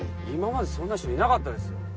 今までそんな人いなかったですよ。